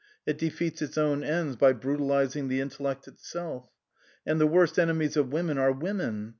It defeats its own ends by brutalising the intellect itself. And the worst enemies of women are women.